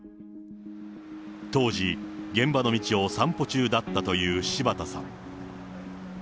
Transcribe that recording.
当時、現場の道を散歩中だったという柴田さん。